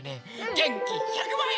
げんき１００ばい！